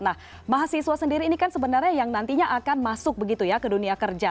nah mahasiswa sendiri ini kan sebenarnya yang nantinya akan masuk begitu ya ke dunia kerja